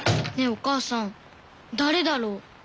お母さん誰だろう？